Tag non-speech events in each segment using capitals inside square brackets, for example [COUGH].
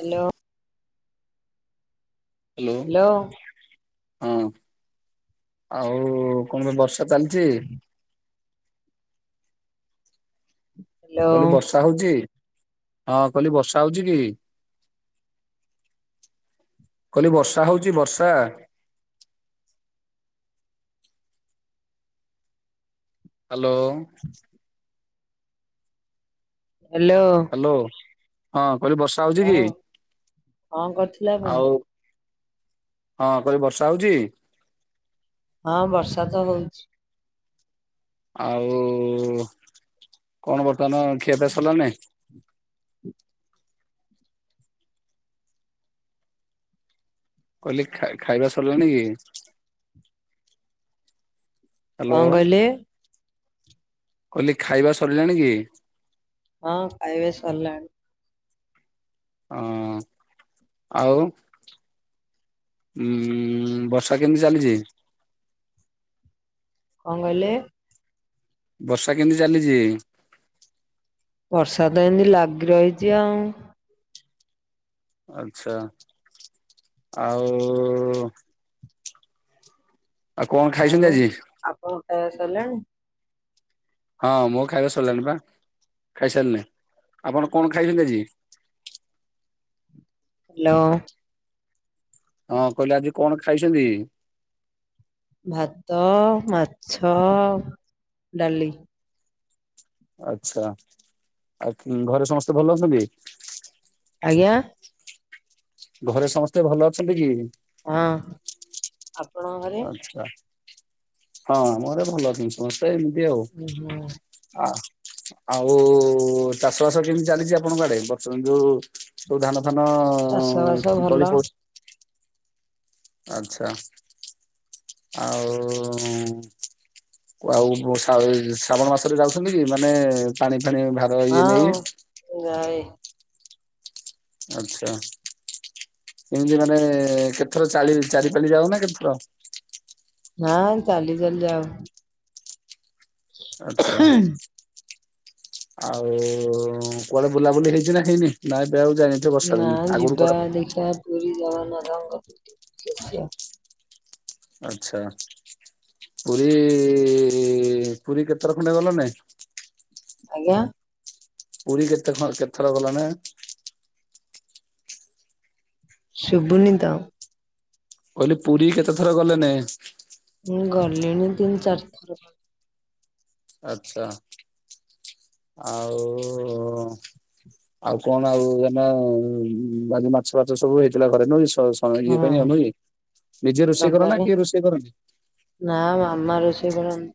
Hello. Hello hello ହଁ ଆଉ କଣ ବ ଚଷା ଚାଲିଛି କଲି ବର୍ଷା ହଉଚି ହଁ କଲି ବର୍ଷା ହଉଚି କି? କହଲି ବର୍ଷା ହଉଛି ବର୍ଷା? ହାଲୋ ହେଲୋ ହାଲୋ ହଁ କଲି ବର୍ଷା ହଉଛି କି କଣ କରୁଥିଲେ ଆପଣ? ଆଉ ହଁ କଇବି ବର୍ଷା ହଉଛି? ହଁ ବର୍ଷା ତ ହଉଛି। ଆଉ କଣ ବର୍ତ୍ତମାନ ଖିଆପିଆ ସର୍ଲା ନା ନାଇଁ? କଇଲି ଖାଇବା ସରିଲାଣି କି? ହ୍ୟାଲୋ କଣ କହିଲେ? କଲି ଖାଇବା ସରିଲାଣି କି? ହଁ ଖାଇବା ସରିଲାଣି। ହଁ ଆଉ ଉଁ ଉ ବର୍ଷା କେମିତି ଚାଲିଛି? କଣ କହିଲେ? ବର୍ଷା କେମିତି ଚାଲିଛି? ବର୍ଷା ତ ଏମିତି ଲାଗି ରହିଛି ଆଉ ଆଛା ଆଉ ଆଉ କଣ ଖାଇଛନ୍ତି ଆଜି? ଆପଣଙ୍କ ଖାଇବା ସରିଲାଣି? ହଁ ମୋ ଖାଇବା ସରିଲାଣି ପା ଖାଇସାରିଲେନି ଆପଣ କଣ ଖାଇଛନ୍ତି ଆଜି? ହାଲୋ। ହଁ କହିଲେ ଆଜି କଣ ଖାଇଛନ୍ତି? ଭାତ, ମାଛ, ଡାଲି। ଆଛା, ଆଉ କି ଘରେ ସମସ୍ତେ ଭଲ ଅଛନ୍ତି? ଆଜ୍ଞା? ଘରେ ସମସ୍ତେ ଭଲ ଅଛନ୍ତି କି? ହଁ। ଆପଣଙ୍କ ଘରେ ଆଛା, ହଁ ମୋର ଭଲ ଅଛନ୍ତି? ହଁ ସେମିତି ଆଉ, ଉ ହୁଁ ହଁ। ଆଉ ଚାଷ ବାସ କେମିତି ଚାଲିଛି ଆପଣଙ୍କ ଆଡେ, ବର୍ତମାନ ଯୋଉ ସବୁ ଧାନ ଧାନ ଚାଷ ବାସ ଭଲ ତଳି ପଡ଼ିଛି ଆଛା, ଆଉ ଆଉ ବର୍ଷା ହଉ ଶ୍ରାବଣ ମାସରେ ଯାଉଛନ୍ତି କି ମାନେ ପାଣି ଫାଣି ଭା ହଁ ଯାଏ। ଆଛା, କେମିତି ମାନେ କେତଥର ଚାଲି ଚାରିପାଲି ଯାଉ ନା କେତେଥର? ନାଁ ଚାଲି ଚାଲି ଯାଉ। ଆଛା। ଆଉ, କୁଆଡେ ବୁଲାବୁଲି ହେଇଛି ନା ହେଇନି, ନାଇଁ ଏବେ ଆଉ ଯାଇନି ନା ଯିବା ଦେଖିବା ପୁରୀ ଜଗନ୍ନାଥଙ୍କୁ ଟିକେ ଦେଖିକି ଆସିବା। ଆଚ୍ଛା, ପୁରୀ ପୁରୀ କେତେ ଥର ଖଣ୍ଡେ ଗଲ ନାଇଁ? ଆଜ୍ଞା? ପୁରୀ କେତେ ଖ କେତେଥର ଗଲଣି? ଶୁଭୁନି ତ। ମୁଁ କହିଲି ପୁରୀ କେତେ ଥର ଗଲେନେଇ? ମୁଁ ଗଲିଣି ତିନି ଚାରି ଥର। ଆଚ୍ଛା, ଆଉ ଆଉ କଣ ଆଉ ଏଇନା କାଲି ମାଛ ଫାଛ ସବୁ ହେଇଥିଲା ଘରେ ନୁହେଁ କି ସ ହଁ ଇଏ ପାଇଁ ଆଉ ନୁହେଁ କି, ନିଜେ ରୋଷେଇ କର ନା ରବିବାରେ କିଏ ରୋଷେଇ କରନ୍ତି? ନା ମାମା ରୋଷେଇ କରନ୍ତି।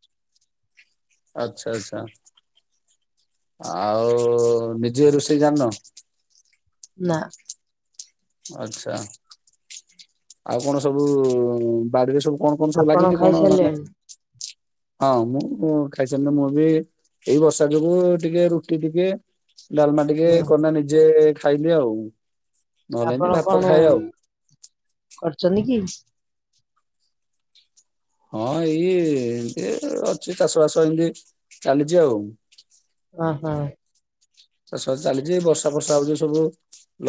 ଆଛା ଆଚ୍ଛା, ଆଉ ନିଜେ ରୋଷେଇ ଜାଣିନ? ନା। ଆଛା, ଆଉ କଣ ସବୁ ବାଡିରେ ସବୁ କଣ କଣ ସବୁ ଆପଣ ଲାଗିଛି କଣ ମାନେ, ଖାଇସାରିଲେଣି ହଁ ମୁଁ ଖାଇସ ମୁଁ ବି ଏଇ ବର୍ଷା ଯୋଗୁ ଟିକେ ରୁଟି ଟିକେ, ଡାଲମା ଟିକେ ହୁଁ କନା ନିଜେ ଖାଇଲି ଆଉ। ନହେଲେ ଏମିତି ଆପଣ ଭାତ କଣ ଖାଏ ଆଉ କରଛନ୍ତି କି? ହଁ ଏଇ ଏମତି ଅଛି ଚାଷ ବାସ ଏମତି ଚାଲିଛି ଆଉ। ଓ ହୋ। ଚାଷ ବାସ ଚାଲିଛି ବର୍ଷା ଫର୍ଷା ହଉ ଯୋଉ ସବୁ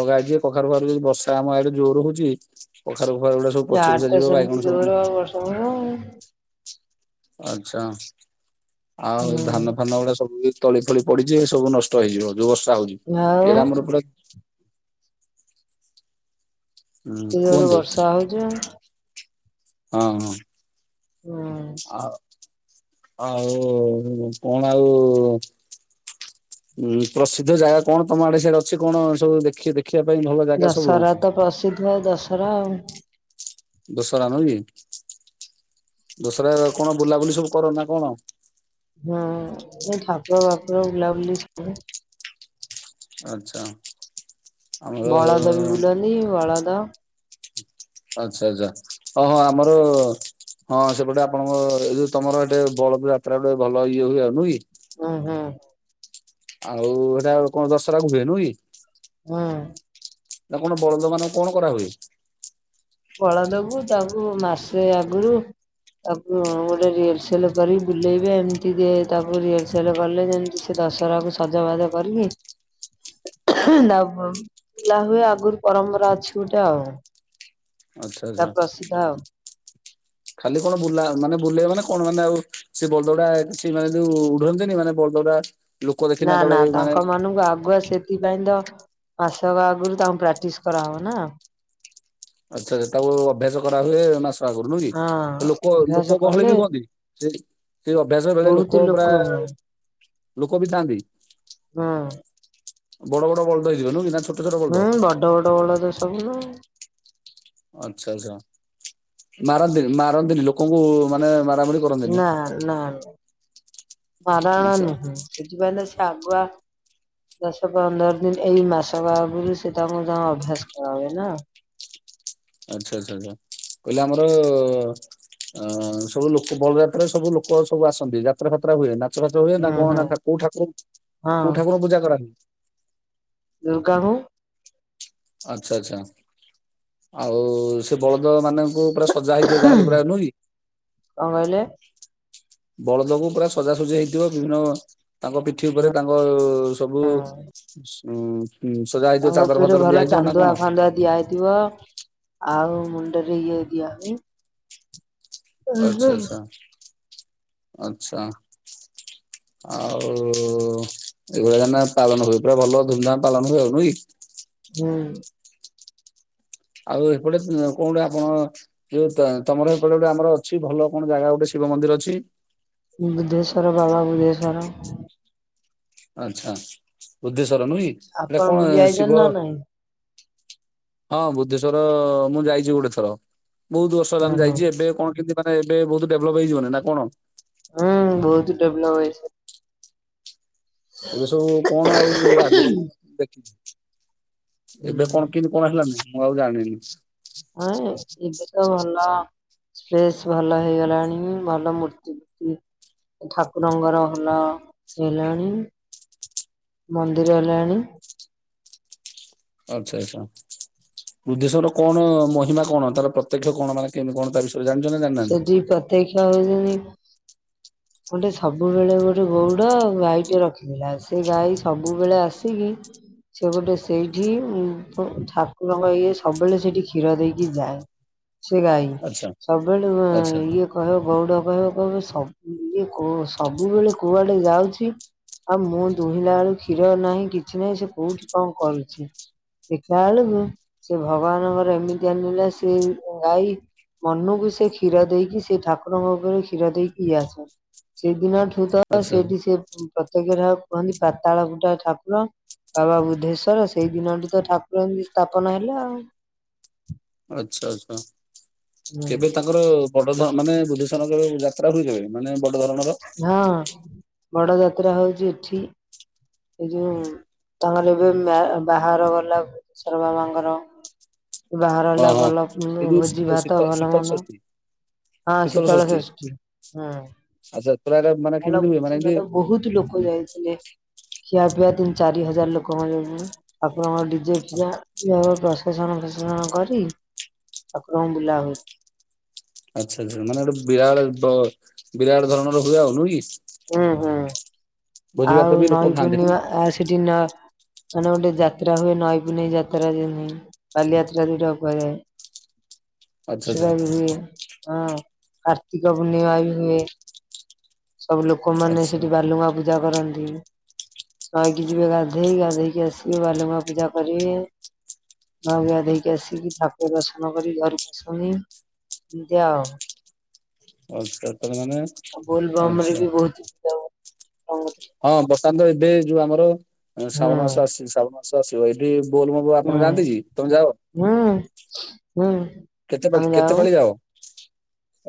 ଲଗା ହେଇଛି ଏ କଖାରୁ ପାଖାରୁ ଯଦି ବର୍ଷା ଆମ ଆଡେ ଜୋର ହଉଛି। କଖାରୁ ଫଖାରୁ ଗୁଡା ସବୁ ପଚି ପୁଚା ଯିବ ବାଇଗଣ ସବୁ କଣ୍ ଆଛା, ଆଉ ହୁଁ ଧାନ ଫାନ ଗୁଡା ସବୁ ବି ତଳି ଫଳି ପଡିଛି ସବୁ ନଷ୍ଟ ହେଇଯିବ ଯୋଉ ବର୍ଷା ହଉଛି। ଆଉ [UNINTELLIGIBLE] ହୁଁ ଜୋର କୁହନ୍ତୁ, ବର୍ଷା ହଉଛି ହଁ ହଁ। ହୁଁ। ଆଉ ଆଉ କଣ ଆଉ ଉଁ ପ୍ରସିଦ୍ଧ ଜାଗା କଣ ତମ ଆଡ଼େ ସିଆଡ଼େ ଅଛି କଣ? ସବୁ ଦେଖିଛ ଦେ ଦେଖିବା ପାଇଁ ଭଲ ଜାଗା ସବୁ ହଉଛି। ସିଧ ଦଶହରା ଆଉ ଦୋସରା ନୁହଁ କି ଦୋସରା କଣ ବୁଲାବୁଲି ସବୁ କର ନା କଣ? ହୁଁ ଏଇ ଠାକୁର ବାକୁର ବୁଲାବୁଲି ସବୁ ଆଚ୍ଛା ଆମର ବଳଦ ବି ବୁଲନ୍ତି ବଳଦ ଆଚ୍ଛା ଆଚ୍ଛା ଓ ହଁ ଆମର ହଁ ସେପଟେ ଆପଣଙ୍କ ଏ ଯଉ ତମର ଏଟେ ବଳ ଯାତ୍ରା ଗୋଟେ ଭଲ ଇଏ ହୁଏ ଆଉ ନୁହଁ କି ହୁଁ ହୁଁ ଆଉ ଏଟା କଣ ଦଶହରା କୁ ହୁଏ ନୁହେଁ କି। ହଁ ଆପଣ ବଳଦ ମାନଙ୍କୁ କଣ କରା ହୁଏ? ବଳଦ କୁ ତାକୁ ମାସେ ଆଗରୁ ତାକୁ ଗୋଟେ ରିୟେଲସେଲ୍ କରିକି ବୁଲେଇବେ, ଏମତି ତାକୁ ରିୟେଲସେଲ୍ କଲେ ଯେମିତି ସେ ସେ ଦଶହରାକୁ ସଜବାଜ କରିକି ତା ବୁଲା ହୁଏ, ଆଗରୁ ପରମ୍ପରା ଅଛି ଗୋଟେ ଆଉ। ଆଚ୍ଛା ଆଚ୍ଛା ପ୍ରସିଦ୍ଧ ଆଉ ଖାଲି କଣ ବୁଲା ମାନେ ବୁଲେଇ ମାନେ କଣ? ମାନେ ଆଉ ସେ ବଳଦ ଗୁଡ଼ା ସେମାନେ ଯୋଉ ବୁଲନ୍ତିନି ମାନେ ପୁରା ନା ନା ତାଙ୍କ ମାନଙ୍କୁ ଆଗୁଆ ସେ ସେଥିପାଇଁ ତ ମାସକ ଆଗରୁ ତାଙ୍କୁ ପ୍ରାକ୍ଟୀସ କରାହବ ନା। ଆଚ୍ଛା ଆଛା ତାକୁ ଅଭ୍ୟାସ କରା ହୁଏ ମା କରୁନୁ ହଁ କି ଲୋକ ଅଭ୍ୟାସ ଲୋକ ଗହଳି କଲେ ବି କୁହନ୍ତି ସେ ସେ ଅଭ୍ୟାସ ବେଳେ ବହୁତ ଲୋକ ପୁରା ହଁ ଲୋକ ବି ଥାଆନ୍ତି ହଁ ବଡ଼ ବଡ଼ ବଳଦ ହେଇଥିବ। ନୁହଁ ନା ଛୋ ହୁଁ ବଡ଼ ବଡ଼ ବଡ଼ ତ ସବୁନୁ ଆଚ୍ଛା ଆଚ୍ଛା ମାରନ୍ତିନି ମାରନ୍ତିନି ଲୋକଙ୍କୁ ମାନେ ମରା ମରି ନା ନା ମାରଣା ଆଚ୍ଛା ନୁହଁ। ସେଥିପାଇଁ ତ ସିଏ ଆଗୁଆ ଦଶ ପନ୍ଦର ଦିନ ଏଇ ମାସ ଆଗରୁ ସେ ତାଙ୍କୁ ଯ ଅଭ୍ୟାସ କରେ ନା। ଆଚ୍ଛା ଆଚ୍ଛା କହିଲେ ଆମର ଅ ସବୁ ଲୋକ ବଳଯାତ୍ରାରେ ସବୁ ଲୋକ ସବୁ ଆସନ୍ତି। ଯାତ୍ରା ଫାତ୍ରା ହୁଏ, ନା ଚରଥ ହୁଏ ନା ହୁଁ କଣ ହୁଁ ନା କଉ ଠାକୁର ହଁ କୋଉଠାରଙ୍କୁ ପୂଜା କରା ହୁଏ? ଦୁର୍ଗାଣୁ ଆଚ୍ଛା ଆଚ୍ଛା ଆଉ ସେ ବଳଦ ମାନଙ୍କୁ ପ୍ରା ସଜା ହେଇଥିବ ଯାହେଲେ ପୁରା ନୁହେଁ କି? କଣ କହିଲେ? ବଳଦକୁ ପୁରା ସଜାସଜି ହେଇଥିବ, ବିଭିନ୍ୟ ତାଙ୍କ ପିଠି ଉପରେ ହଁ ତାଙ୍କ ସବୁ ଉ ସଜା ହେଇଥିବ ଚାଦର ଫାଦର ଦିଆ ହେଇଥିବ ନା କଣ? ଦିଆହେଇଥିବ ଆଉ ମୁଣ୍ଡରେ ଇଏ ଦିଆ ହୁଏ। ଆଚ୍ଛା ଆଚ୍ଛା ଆଚ୍ଛା ଆଉ ତ ଏଇଭଳିଆ ନା ପାଳନ ହୋଇଥିବ ଭଲ ବିନା ପାଳନରେ ନୁହେଁକି ହୁଁ। ଆଉ ଏପଟେ ସେ କୋଉଠେ ଆପଣ ଯୋଉ ତା ତମର ଏପଟେ ଗୋଟେ ଆମର ଅଛି, ଭଲ କଣ ଜାଗା ଗୋଟେ ଶିବ ମନ୍ଦିର ଅଛି। ଵୁ ବୁଦ୍ଧେଶ୍ଵର ବାବା ବୁଧେଶ୍ଵର। ଆଚ୍ଛା, ବୁଦ୍ଧେଶ୍ଵର ନୁହେଁ କି, ଏଟା ଆପଣ କଣ ବୁଲି ଆଇଛନ୍ତି ଶିବ ନା ନାଇଁ? ହଁ, ବୁଦ୍ଧେଶ୍ଵର ମୁଁ ଯାଇଛି ଗୋଟେ ଥର। ବହୁତ ବର୍ଷ ହେଲା ହୁଁ ଆମେ ହୁଁ ଯାଇଛି, ଏବେ କଣ କେମିତି ମାନେ ଏବେ ବହୁତ ଡେଭଲପ ହେଇଯିବନି ନା କଣ। ହୁଁ, ବହୁତ ଡେବ୍ ଲପ ହେଇଛି। ଏବେ ସବୁ କଣ ଆଉ ଆଗରୁ ମୁଁ ଦେଖିଛି, ହୁଁ ଏବେ କଣ କିମ୍ କଣ ହେଲାନି, ମୁଁ ଆଉ ଜାଣିନି? ହଁ, ଏ ଏବେ ତ ଭଲ। ସ୍ପେସ୍ ଭଲ ହେଇଗଲାଣି, ଭଲ ମୂର୍ତ୍ତିର୍ତି ଠାକୁରଙ୍କର ଭଲ ହେଲାଣି। ମନ୍ଦିର ହେଲାଣି। ଆଚ୍ଛା, ଆଚ୍ଛା, ବୁଦ୍ଧେଶ୍ୱର କଣ ମହିମା କଣ ତାର ପ୍ରତ୍ୟକ୍ଷ କଣ ମାନେ କେମିତି କଣ ତା ବିଷୟରେ। ଜାଣିଚ ନା ଜାଣି ସେଠି ପ୍ରତ୍ୟେକ୍ଷ [UNINTELLIGIBLE] ଗୋଟେ ସବୁବେଳେ ଗୋଟେ ଗଉଡ ଗାଈ ଟେ ରଖିଥିଲା ସେ ଗାଈ ସବୁବେଳେ ଆସିକି ସେ ଗୋଟେ ସେଇଠି ଉ ପ୍ ଠାକୁରଙ୍କ ଇଏ ସବୁବେଳେ ସେଇଠି କ୍ଷୀର ଦେଇକି ଯାଏ। ସେ ଗାଈ ଆଚ୍ଛା ସବୁବେଳେ ଆଚ୍ଛା ଇଏ କହିବ, ଗଉଡ କହିବ, କହିବ ସବୁ ଇଏ କ ସବୁବେଳେ କୁଆଡେ ଯାଉଛି? ଆଉ ମୁଁ ଦୁହିଁଲା ବେଳୁ କ୍ଷୀର ନାହିଁ, କିଛି ନାହିଁ, ସେ କୋଉଠି କଣ କରୁଛି। ଦେିଖିଲା ବେଳକୁ ସେ ଭଗବାନଙ୍କର ଏମିତି ଆନୀଳା ସେ ଗାଈ ମନକୁ ସେ କ୍ଷୀର ଦେଇକି, ସେ ଠାକୁରଙ୍କ ଉପରେ କ୍ଷୀର ଦେଇ ଇ ଆସ ସେଦିନଠୁ ତ ଆଚ୍ଛା ସେଇଠି ସେ ପ୍ରତ୍ୟକ ଠାକୁ କୁହନ୍ତି ପାତାଳ ଫୁଟ ଠାକୁର। ବାବା ବୁଦ୍ଧେଶ୍ଵର ସେଇ ଦିନଠୁ ତ ଠାକୁର ଏମିତି ସ୍ଥାପନ ହେଲେ ଆଉ। ଆଚ୍ଛା, ଆଚ୍ଛା ହୁଁ କେବେ ତାଙ୍କ ଙ୍କର ବଡ ଧ ମାନେ ବୁଧେଶ୍ଵରଙ୍କର ଜଉ ଯାତ୍ରା ହୁଏ କେବେ, ମାନେ ବଡ ଧରଣର? ହଁ ବଡ ଯାତ୍ରା ହଉଛି ଏଠି। ଏ ଯୋଉ ତାଙ୍କର ଏବେ ମ୍ୟା ବାହାର ଗଲା ବୁଧେଶର ବାବାଙ୍କର। ବାହାର ହଁ ହେଲା ହଁ ଭଲ ଏଇ ମୋ ଯୋଉ ଶୀତ ଭୋଜି ଶୀତ ଭାତ ଭଲ ଶୀତଳ ମନ୍ଦ। ଷଷ୍ଠୀ ହଁ, ଶୀତଳ ଷଷ୍ଠି, ହୁଁ। ଆଚ୍ଛା ପୁରା ଏଇଟା ମାନେ ଭଲ କେମିତି ହୁଏ ମାନେ ଭୋଜି ଭାତ ଏମିତି ବହୁତ ଲୋକ ଯାଇଥିଲେ। ଖିଆପିଆ ତିନି ଚାରି ହଜାର ଲୋକଙ୍କ ଯୋଗୁଁ। ଆପଣଙ୍କର ଡିଜେଫସିଆ ଯାହାର ପ୍ରସେସନ ଫଶେଶନ କରି ଠାକୁରଙ୍କୁ ବୁଲା ହୁଏ। ଆଚ୍ଛା, ଆଚ୍ଛା ମାନେ ଗୋଟେ ବିରାଳ ଡ଼ ବିରାଟ ଧରଣର ହୁଏ, ଆଉ ନୁହେ କି? ହୁଁ, ହୁଁ ଭୋଜି ଭାତ ଆଉ ବି ଲୋକ ନଈ ଖାଆନ୍ତି ନୁହେଁ ପୂର୍ଣ୍ଣିମା କି? ଆ ସେଠି ନା ମାନେ ଗୋଟେ ଯାତ୍ରା ହୁଏ, ନଈକୁ ନେଇ ଯାତ୍ରା ଦିନି। କାଲି ଆତିଟା ସେଇଟି ଅପରେ ଆଚ୍ଛା ଆଚ୍ଛା ସୁରଭି ହୁଏ ହଁ କାର୍ତ୍ତିକ ପୂର୍ଣ୍ଣିମା ବି ହୁଏ। ସବୁ ଲୋକମାନେ ଆଚ୍ଛା ସେଠି ବାଲୁଙ୍ଗା ପୂଜା କରନ୍ତି। ନଈକି ଯିବେ ଗାଧେଇ ଗାଧେଇକି ଆସିବେ ବାଲୁଙ୍ଗା ପୂଜା କରିବେ। ନ ଗାଧେଇକି ଆସିକି ଠାକୁର ଦର୍ଶନ କରି ଘରକୁ ଆସନି ଏମିତି ଆଉ। ଆଛା ତମେମାନେ? ଅ ବୋଲବମରେ ବି ବହୁତ୍ ହଁ ବର୍ତ୍ତମାନ ତ ଏବେ ଯୋଉ ଆମର ଶ୍ରାବଣ ମାସ ହୁଁ ଆସିଚି ଶ୍ରାବଣ ମା ସ ଆସିବ ଏଠି ବୋଲବମ ହୁଁ ଆପଣ ଯାଆନ୍ତି କି? ତମେ ଯାଅ। ହୁଁ ହୁଁ କେତେ ପାଳି ଆମେ କେତେ ଯାଉଁ। ପାଳି ଯାଅ?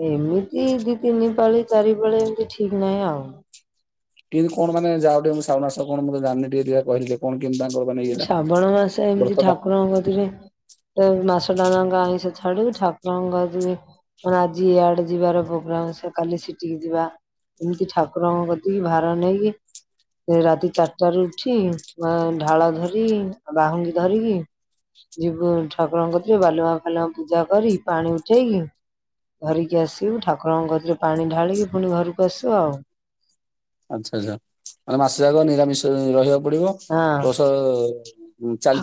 ଏମିତି ଦି ତିନି ଦିନି ପାଳି ଚାରି ପାଳି ଏମ୍ତି ଠିକ୍ ନାଇଁ ଆଉ। [UNINTELLIGIBLE] କଣ ମାନେ ଯାହା ଟିକେ ମୁଁ ଶ୍ରାବଣ ମାସ କଣ ମୁଁ ତ ଜାଣିନି ଟିକେ [UNINTELLIGIBLE] କହିଲୁ ଟିକେ କଣ କେମିତି ତାଙ୍କର ମାନେ ଉ ଇଏଟା? ଶ୍ରାବଣ ମାସ ଏମିତି ବ୍ରତଟା ଠାକୁରଙ୍କ କତିରେ କୋଉ ମାସଟା ଯାଙ୍କ ଆଇଁଷ ଛାଡିବୁ ଠାକୁରଙ୍କ ଗଦି କଣ ଆଜି ଇଆଡେ ଯିବାର ପୋଗ୍ରାମସ କାଲିି ସିଟିକି ଯିବା। ଏମିତି ଠାକୁରଙ୍କ କତିକି ଭାର ନେଇକି ଏ ରାତି ଚାରଟାରୁ ଉଠି ଆଁ ଢାଳ ଧରି ବାହୁଙ୍ଗୀ ଧରିକି ଯିବୁ ଠାକୁରଙ୍କ କତି ବାଲୁଆଁଫାଲୁଆଁ ପୂଜା କରି ପାଣି ଉଠେଇକି ଧରିକି ଆସିବୁ ଠାକୁରଙ୍କ କତିରେ ପାଣି ଢାଳିକି ପୁଣି ଘରକୁ ଆସୁ ଆଉ। ଆଚ୍ଛା ଆଚ୍ଛା ମାନେ ମାସେ ଯାକ ନିରାମିଷ ଅ ରହିବାକୁ ପଡିବ ହଁ ପ୍ଲସ ଅ ଅ [UNINTELLIGIBLE] [UNINTELLIGIBLE]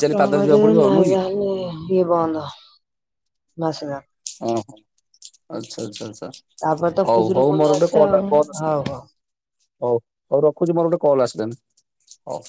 ଇଏ ବନ୍ଦ ମାସ ଯା ହଁ ହ ଆଛା ଆଛା ଆଛା। ତାପରେ ତ ହଉ ହଉ ଖୁଦୁରୁକୁଣୀ ମୋର ଗୋଟେ ଆସେ କଲ୍ ଆଉ କଲ୍ ଆସିଚି। ହଉ ହଉ ହଉ ହଉ ରଖୁଚି ମୋର ଗୋଟେ କଲ୍ ଆସିଲାନି ହଉ।